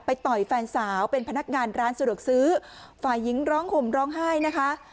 ต่อยแฟนสาวเป็นพนักงานร้านสะดวกซื้อฝ่ายหญิงร้องห่มร้องไห้นะคะ